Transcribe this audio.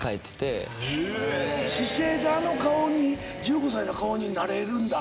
姿勢であの顔に１５歳の顔になれるんだ。